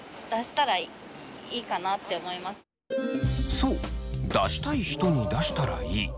そう出したい人に出したらいい。